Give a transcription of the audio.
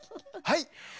はい。